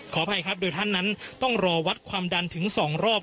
อภัยครับโดยท่านนั้นต้องรอวัดความดันถึง๒รอบ